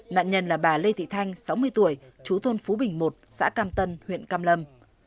nạn nhân là bà lê thị thanh sáu mươi tuổi chú thôn phú bình một xã cam tân huyện cam lâm